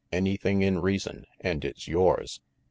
Anything in reason, and it's yours."